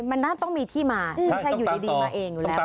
มันน่าต้องมีที่มาไม่ใช่อยู่ดีมาเองอยู่แล้ว